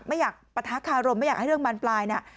ไม่อยากปะทะคารมไม่อยากให้เรื่องบานปลายนะ